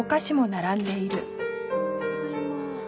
ただいま。